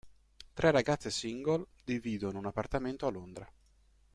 Tre ragazze single dividono un appartamento a Londra.